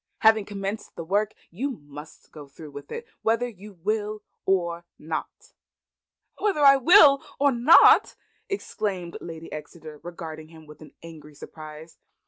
Having commenced the work, you must go through with it whether you will or not." "Whether I will or not!" exclaimed Lady Exeter, regarding him with angry surprise.